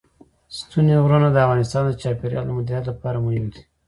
ستوني غرونه د افغانستان د چاپیریال د مدیریت لپاره مهم دي.